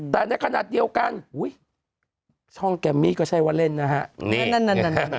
แต่ในขณะเดียวกันช่องแกมมี่ก็ใช่ว่าเล่นนะฮะ